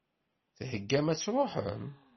Theggam ad tṛuḥem?